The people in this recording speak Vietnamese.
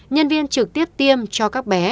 nhân viên trực tiếp tiêm cho các bé